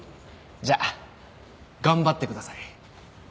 じゃ頑張ってください。